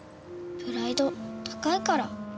プライド高いから。